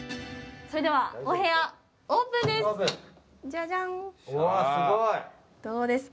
それではお部屋、オープンです。